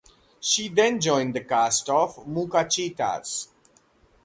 She then joined the cast of "Muchachitas".